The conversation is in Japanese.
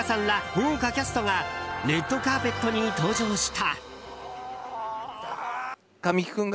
豪華キャストがレッドカーペットに登場した。